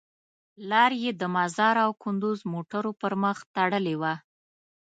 لار یې د مزار او کندوز موټرو پر مخ تړلې وه.